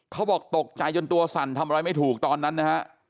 เขาบอกตกใจจนตัวสั่นทำอะไรไม่ถูกตอนนั้นนะฮะ